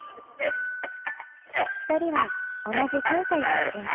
２人は同じ関西出身。